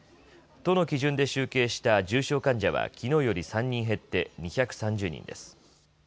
都の基準で集計した重症患者はきのうより３人減って２３０人です。